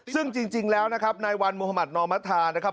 ซึ่งจริงแล้วนะครับในวันมุหมาธนมภาษณ์นะครับ